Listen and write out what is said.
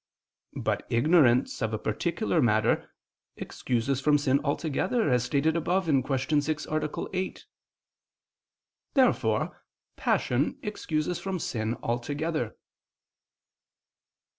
But ignorance of a particular matter excuses from sin altogether, as stated above (Q. 6, A. 8). Therefore passion excuses from sin altogether.